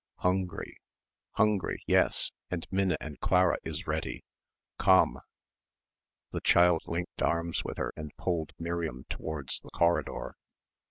"Hungry." "Hungry, yes, and Minna and Clara is ready. Komm!" The child linked arms with her and pulled Miriam towards the corridor.